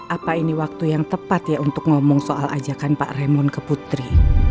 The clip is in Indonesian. apa ini waktu yang tepat ya untuk ngomong soal ajakan pak remon ke putri